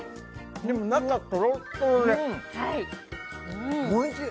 でも中とろっとろでおいしい！